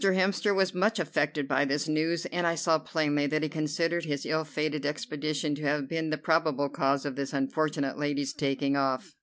Hemster was much affected by this news, and I saw plainly that he considered his ill fated expedition to have been the probable cause of this unfortunate lady's taking off.